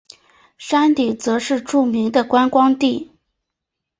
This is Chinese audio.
山顶则是著名的观光地。